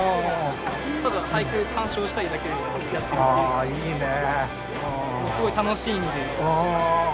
あいいね。